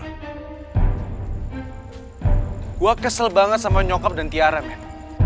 gue kesel banget sama nyokap dan tiara men